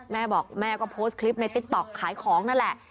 แม่บอกแม่ก็โพสต์คลิปในติ๊กต๊อกขายของนั่นแหละ